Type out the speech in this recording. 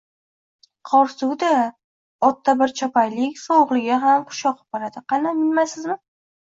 — Qor suvi-da! Otda bir chopaylik, sovuqligi xam xush yoqib qoladi. Qani, minmaysizmi?